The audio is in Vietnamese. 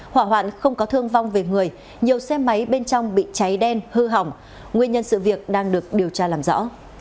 hỏa hoạn không có thương vong về người nhiều xe máy bên trong bị cháy đen hư hỏng nguyên nhân sự việc đang được điều tra làm rõ